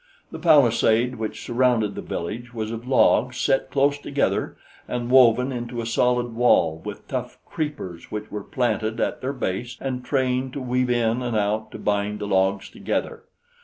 The palisade which surrounded the village was of logs set close together and woven into a solid wall with tough creepers which were planted at their base and trained to weave in and out to bind the logs together.